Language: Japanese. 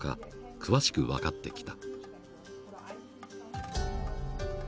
詳しく分かってきた。